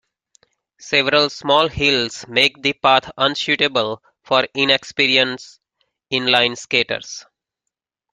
Several small hills make the path unsuitable for inexperienced inline skaters.